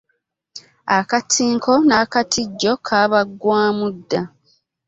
Akatinko n'akatijjo kaabaggwamu dda.